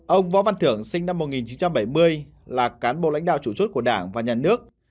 ông võ văn thưởng sinh năm một nghìn chín trăm bảy mươi là cán bộ lãnh đạo chủ chốt của đảng và nhà nước